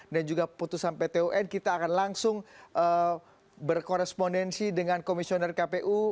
dan juga putusan pt un kita akan langsung berkorespondensi dengan komisioner kpu